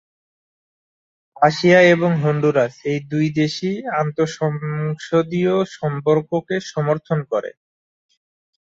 Russia এবং Honduras এই দুই দেশই আন্তঃসংসদীয় সম্পর্ককে সমর্থন করে।